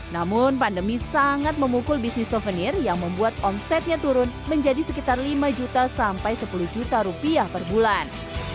namun pandemi sangat memukul bisnis souvenir yang membuat omsetnya turun menjadi sekitar lima juta sampai sepuluh juta rupiah per bulan